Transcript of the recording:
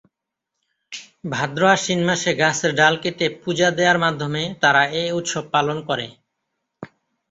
ভাদ্র আশ্বিন মাসে গাছের ডাল কেটে পূজা দেয়ার মাধ্যমে তারা এ উৎসব পালন করে।